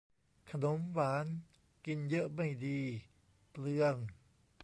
ขนมหวานกินเยอะไม่ดี เปลือง